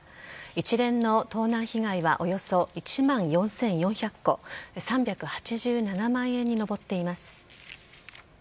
一連の盗難被害はおよそ１万４４００個３８７万円に上っています。